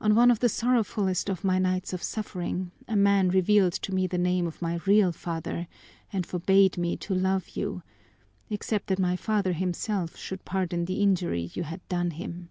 On one of the sorrowfulest of my nights of suffering, a man revealed to me the name of my real father and forbade me to love you except that my father himself should pardon the injury you had done him."